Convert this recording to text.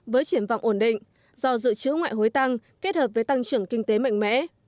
với triển vọng ổn định do dự trữ ngoại hối tăng kết hợp với tăng trưởng kinh tế mạnh mẽ